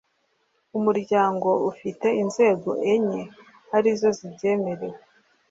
Umuryango ufite inzego enye ari zo zibyemerewe